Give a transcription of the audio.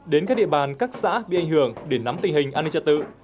đến các địa bàn các xã bị ảnh hưởng để nắm tình hình an ninh trật tự